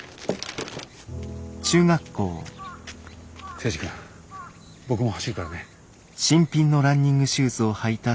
征二君僕も走るからね。